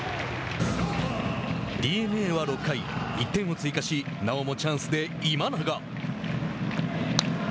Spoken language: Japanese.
ＤｅＮＡは６回、１点を追加しなおもチャンスで今永。